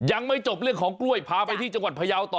ยังไม่จบเรื่องของกล้วยพาไปที่จังหวัดพยาวต่อ